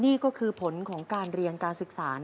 นี่ก็คือผลของการเรียนการศึกษา